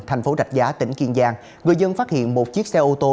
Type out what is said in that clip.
thành phố rạch giá tỉnh kiên giang người dân phát hiện một chiếc xe ô tô